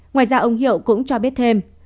ngoài ra ông hiệu cũng cho biết thêm